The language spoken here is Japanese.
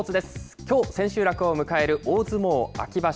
きょう、千秋楽を迎える大相撲秋場所。